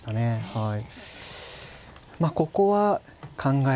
はい。